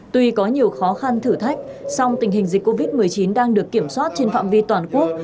tuy có nhiều khó khăn thử thách song tình hình dịch covid một mươi chín đang được kiểm soát trên phạm vi toàn quốc